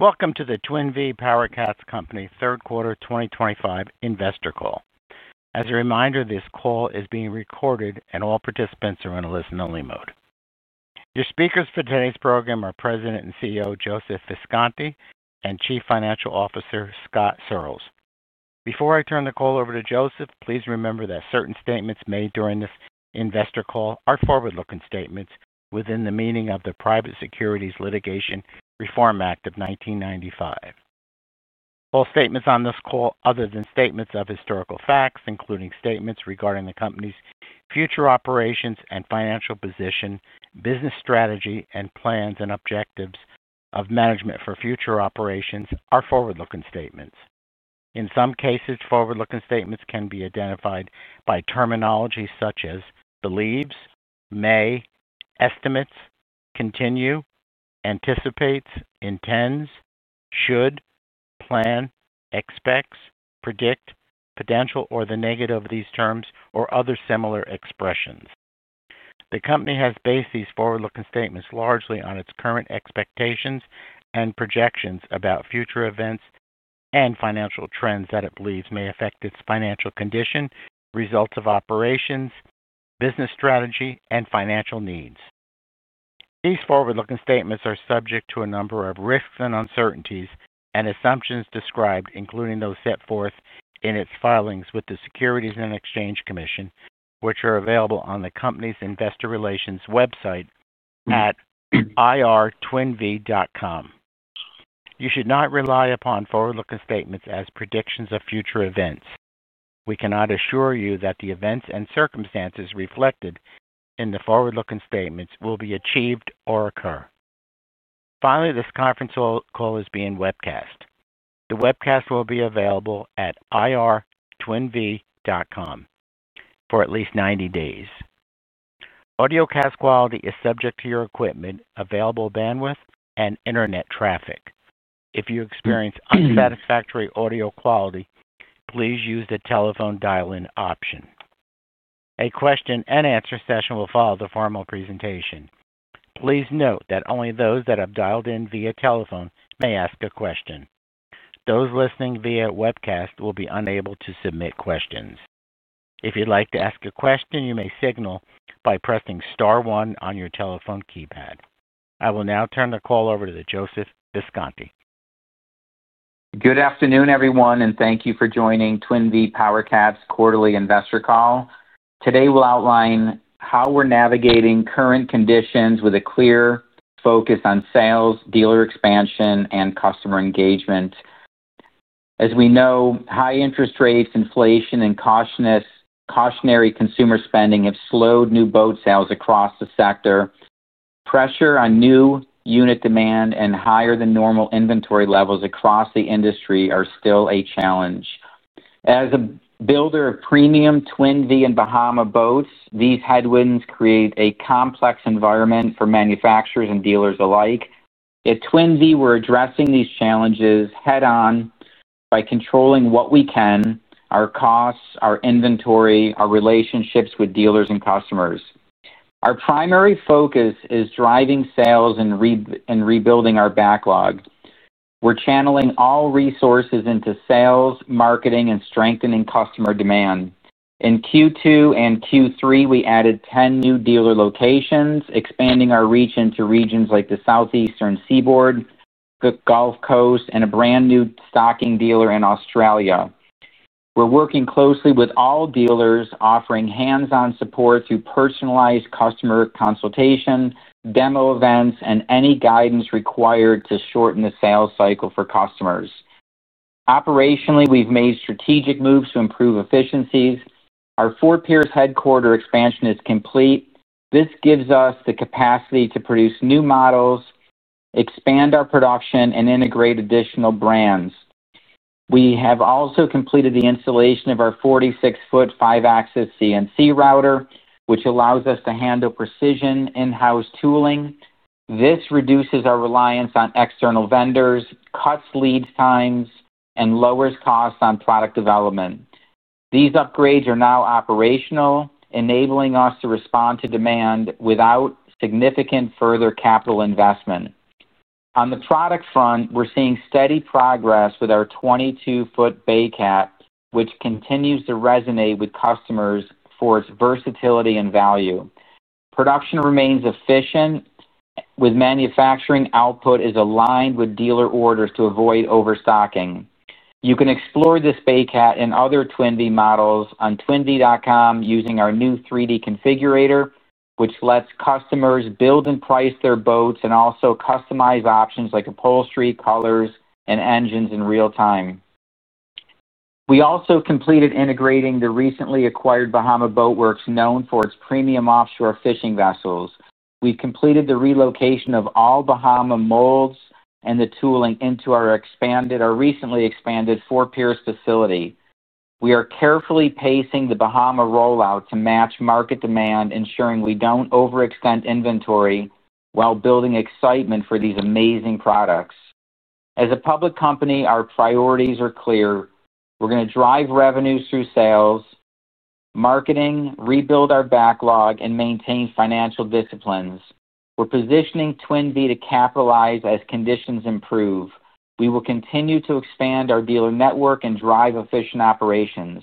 Welcome to the Twin Vee PowerCats Company third quarter 2025 investor call. As a reminder, this call is being recorded, and all participants are in a listen-only mode. Your speakers for today's program are President and CEO Joseph Visconti and Chief Financial Officer Scott Searls. Before I turn the call over to Joseph, please remember that certain statements made during this investor call are forward-looking statements within the meaning of the Private Securities Litigation Reform Act of 1995. All statements on this call, other than statements of historical facts, including statements regarding the company's future operations and financial position, business strategy, and plans and objectives of management for future operations, are forward-looking statements. In some cases, forward-looking statements can be identified by terminology such as believes, may, estimates, continue, anticipates, intends, should, plan, expects, predict, potential, or the negative of these terms, or other similar expressions. The company has based these forward-looking statements largely on its current expectations and projections about future events and financial trends that it believes may affect its financial condition, results of operations, business strategy, and financial needs. These forward-looking statements are subject to a number of risks and uncertainties and assumptions described, including those set forth in its filings with the Securities and Exchange Commission, which are available on the company's investor relations website at IRtwinvee.com. You should not rely upon forward-looking statements as predictions of future events. We cannot assure you that the events and circumstances reflected in the forward-looking statements will be achieved or occur. Finally, this conference call is being webcast. The webcast will be available at IRtwinvee.com for at least 90 days. Audio cast quality is subject to your equipment, available bandwidth, and internet traffic. If you experience unsatisfactory audio quality, please use the telephone dial-in option. A question-and-answer session will follow the formal presentation. Please note that only those that have dialed in via telephone may ask a question. Those listening via webcast will be unable to submit questions. If you'd like to ask a question, you may signal by pressing star one on your telephone keypad. I will now turn the call over to Joseph Visconti. Good afternoon, everyone, and thank you for joining Twin Vee PowerCats quarterly investor call. Today, we'll outline how we're navigating current conditions with a clear focus on sales, dealer expansion, and customer engagement. As we know, high interest rates, inflation, and cautionary consumer spending have slowed new boat sales across the sector. Pressure on new unit demand and higher-than-normal inventory levels across the industry are still a challenge. As a builder of premium Twin Vee and Bahama boats, these headwinds create a complex environment for manufacturers and dealers alike. At Twin Vee, we're addressing these challenges head-on by controlling what we can—our costs, our inventory, our relationships with dealers and customers. Our primary focus is driving sales and rebuilding our backlog. We're channeling all resources into sales, marketing, and strengthening customer demand. In Q2 and Q3, we added 10 new dealer locations, expanding our reach into regions like the Southeastern Seaboard, the Gulf Coast, and a brand-new stocking dealer in Australia. We're working closely with all dealers, offering hands-on support through personalized customer consultation, demo events, and any guidance required to shorten the sales cycle for customers. Operationally, we've made strategic moves to improve efficiencies. Our four-tier headquarter expansion is complete. This gives us the capacity to produce new models, expand our production, and integrate additional brands. We have also completed the installation of our 46-foot five-axis CNC router, which allows us to handle precision in-house tooling. This reduces our reliance on external vendors, cuts lead times, and lowers costs on product development. These upgrades are now operational, enabling us to respond to demand without significant further capital investment. On the product front, we're seeing steady progress with our 22-foot BayCat, which continues to resonate with customers for its versatility and value. Production remains efficient, with manufacturing output aligned with dealer orders to avoid overstocking. You can explore this BayCat and other Twin Vee models on twinvee.com using our new 3D Configurator, which lets customers build and price their boats and also customize options like upholstery, colors, and engines in real time. We also completed integrating the recently acquired Bahama Boat Works, known for its premium offshore fishing vessels. We've completed the relocation of all Bahama molds and the tooling into our recently expanded four-tier facility. We are carefully pacing the Bahama rollout to match market demand, ensuring we don't overextend inventory while building excitement for these amazing products. As a public company, our priorities are clear. We're going to drive revenues through sales. Marketing, rebuild our backlog, and maintain financial disciplines. We're positioning Twin Vee to capitalize as conditions improve. We will continue to expand our dealer network and drive efficient operations.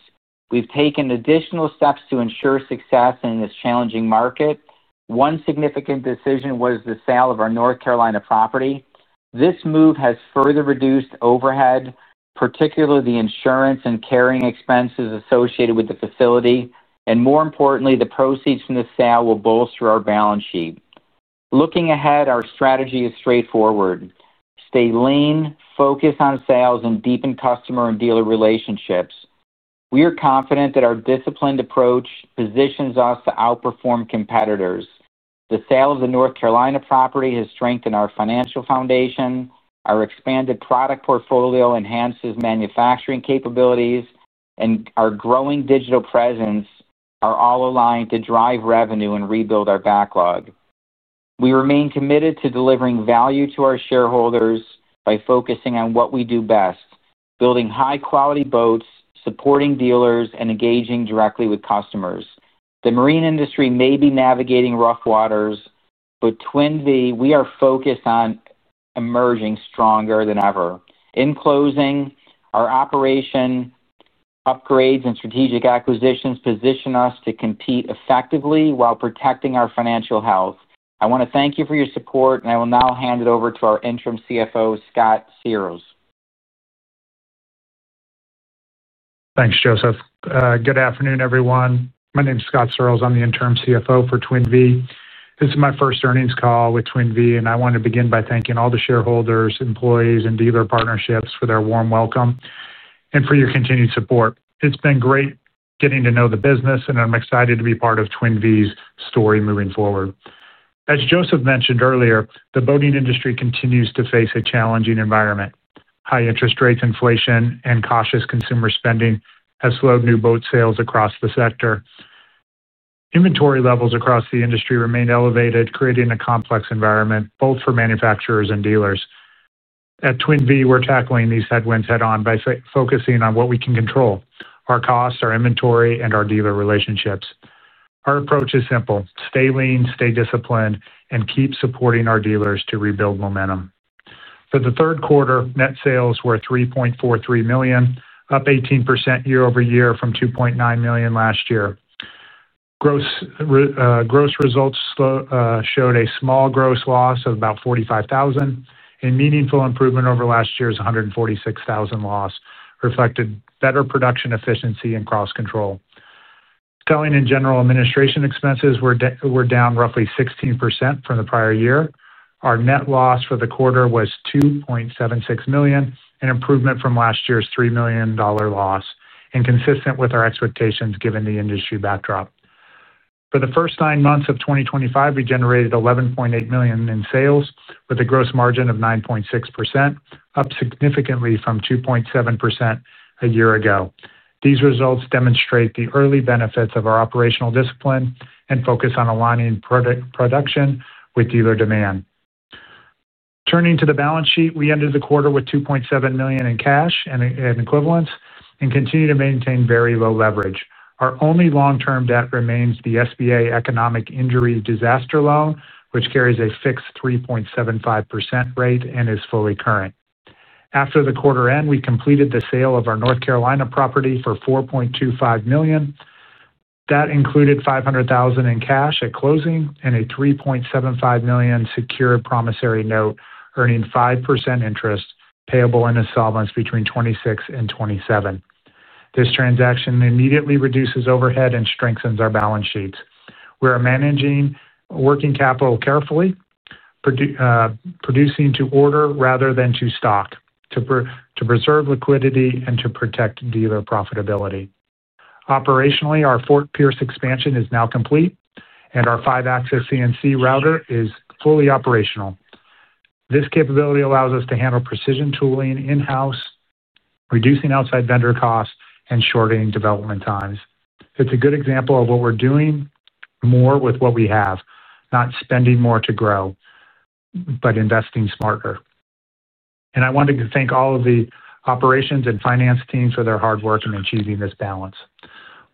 We've taken additional steps to ensure success in this challenging market. One significant decision was the sale of our North Carolina property. This move has further reduced overhead, particularly the insurance and carrying expenses associated with the facility, and more importantly, the proceeds from the sale will bolster our balance sheet. Looking ahead, our strategy is straightforward. Stay lean, focus on sales, and deepen customer and dealer relationships. We are confident that our disciplined approach positions us to outperform competitors. The sale of the North Carolina property has strengthened our financial foundation, our expanded product portfolio enhances manufacturing capabilities, and our growing digital presence are all aligned to drive revenue and rebuild our backlog. We remain committed to delivering value to our shareholders by focusing on what we do best: building high-quality boats, supporting dealers, and engaging directly with customers. The marine industry may be navigating rough waters, but Twin Vee, we are focused on emerging stronger than ever. In closing, our operation upgrades and strategic acquisitions position us to compete effectively while protecting our financial health. I want to thank you for your support, and I will now hand it over to our Interim CFO, Scott Searls. Thanks, Joseph. Good afternoon, everyone. My name is Scott Searls. I'm the Interim CFO for Twin Vee. This is my first earnings call with Twin Vee, and I want to begin by thanking all the shareholders, employees, and dealer partnerships for their warm welcome and for your continued support. It's been great getting to know the business, and I'm excited to be part of Twin Vee's story moving forward. As Joseph mentioned earlier, the boating industry continues to face a challenging environment. High interest rates, inflation, and cautious consumer spending have slowed new boat sales across the sector. Inventory levels across the industry remain elevated, creating a complex environment both for manufacturers and dealers. At Twin Vee, we're tackling these headwinds head-on by focusing on what we can control: our costs, our inventory, and our dealer relationships. Our approach is simple: stay lean, stay disciplined, and keep supporting our dealers to rebuild momentum. For the third quarter, net sales were $3.43 million, up 18% year-over-year from $2.9 million last year. Results showed a small gross loss of about $45,000, a meaningful improvement over last year's $146,000 loss, reflecting better production efficiency and cost control. Selling and general administration expenses were down roughly 16% from the prior year. Our net loss for the quarter was $2.76 million, an improvement from last year's $3 million loss, and consistent with our expectations given the industry backdrop. For the first nine months of 2025, we generated $11.8 million in sales with a gross margin of 9.6%, up significantly from 2.7% a year ago. These results demonstrate the early benefits of our operational discipline and focus on aligning production with dealer demand. Turning to the balance sheet, we ended the quarter with $2.7 million in cash and equivalents and continue to maintain very low leverage. Our only long-term debt remains the SBA Economic Injury Disaster Loan, which carries a fixed 3.75% rate and is fully current. After the quarter end, we completed the sale of our North Carolina property for $4.25 million. That included $500,000 in cash at closing and a $3.75 million secured promissory note earning 5% interest payable in installments between 2026 and 2027. This transaction immediately reduces overhead and strengthens our balance sheet. We are managing working capital carefully. Producing to order rather than to stock to preserve liquidity and to protect dealer profitability. Operationally, our four-tier expansion is now complete, and our Five-Axis CNC Router is fully operational. This capability allows us to handle precision tooling in-house, reducing outside vendor costs and shortening development times. It's a good example of what we're doing more with what we have, not spending more to grow. Investing smarter. I wanted to thank all of the operations and finance teams for their hard work in achieving this balance.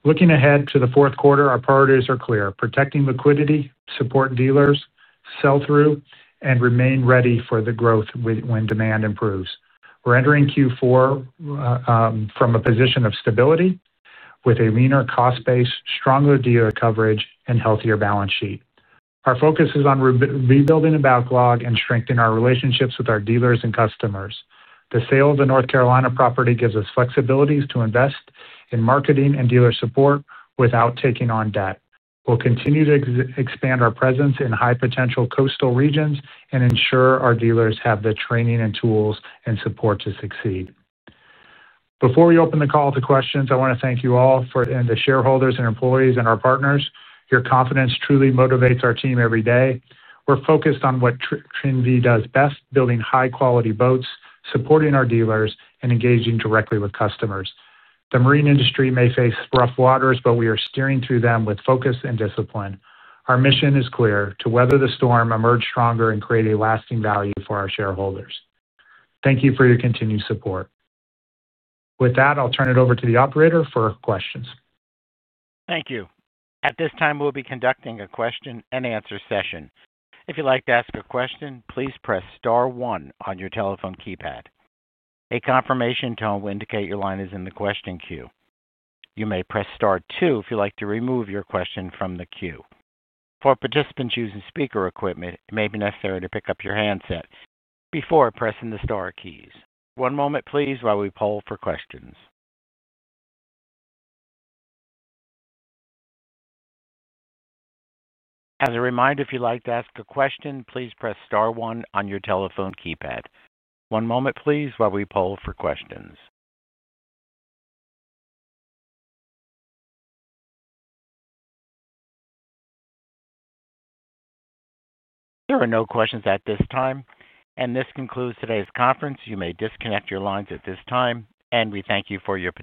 Looking ahead to the fourth quarter, our priorities are clear: protecting liquidity, support dealers, sell through, and remain ready for the growth when demand improves. We're entering Q4 from a position of stability with a leaner cost base, stronger dealer coverage, and healthier balance sheet. Our focus is on rebuilding the backlog and strengthening our relationships with our dealers and customers. The sale of the North Carolina property gives us flexibilities to invest in marketing and dealer support without taking on debt. We'll continue to expand our presence in high-potential coastal regions and ensure our dealers have the training and tools and support to succeed. Before we open the call to questions, I want to thank you all for—and the shareholders and employees and our partners. Your confidence truly motivates our team every day. We're focused on what Twin Vee does best: building high-quality boats, supporting our dealers, and engaging directly with customers. The marine industry may face rough waters, but we are steering through them with focus and discipline. Our mission is clear: to weather the storm, emerge stronger, and create a lasting value for our shareholders. Thank you for your continued support. With that, I'll turn it over to the operator for questions. Thank you. At this time, we'll be conducting a question-and-answer session. If you'd like to ask a question, please press star one on your telephone keypad. A confirmation tone will indicate your line is in the question queue. You may press star two if you'd like to remove your question from the queue. For participants using speaker equipment, it may be necessary to pick up your handset before pressing the star keys. One moment, please, while we poll for questions. As a reminder, if you'd like to ask a question, please press star one on your telephone keypad. One moment, please, while we poll for questions. There are no questions at this time, and this concludes today's conference. You may disconnect your lines at this time, and we thank you for your participation.